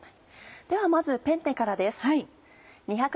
ではまずペンネからです。